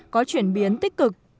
có chuyển biến tích cực